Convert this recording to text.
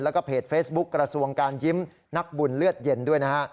แล้วก็เพจเฟซบุ๊คกระทรวงการยิ้มนักบุญเลือดเย็นด้วยนะฮะ